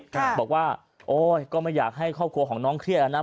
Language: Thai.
บอกว่าโอ๊ยก็ไม่อยากให้ครอบครัวของน้องเครียดแล้วนะ